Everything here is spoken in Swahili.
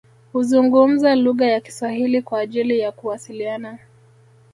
Huzungumza lugha ya kiswahili kwa ajili ya kuwasiliana